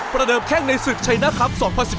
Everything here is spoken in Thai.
ประเดิมแข่งในสึกชัยหน้าคับ๒๐๑๙